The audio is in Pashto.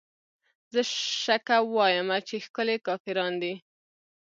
زه شکه وايمه چې ښکلې کافران دي